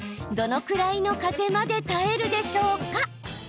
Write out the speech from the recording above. どのくらいの風まで耐えるでしょうか？